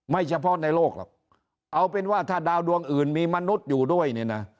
ไม่เฉพาะในโลกหรอกเอาเป็นว่าถ้าดาวดวงอื่นมีมนุษย์อยู่ด้วยเนี่ยนะ